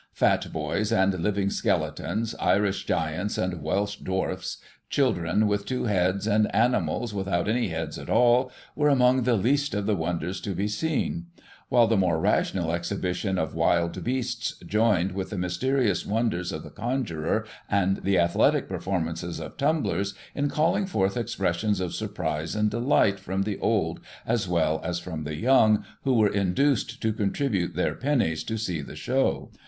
Fat boys and living skeletons, Irish giants and Welsh dwarfs, children with two heads, and animals without any heads at all, were among the least of the wonders to be seen ; while the more rational exhibition of wild beasts joined with the mysterious wonders of the conjuror and the athletic performances of tiunblers, in calling forth expressions of surprise and delight from the old, as well as from the young, who were induced to contribute their pennies * to see the show.'